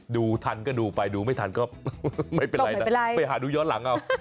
ดูทันก็ดูไปดูไม่ทันก็ไม่เป็นไรนะไปหาดูย้อนหลังเอา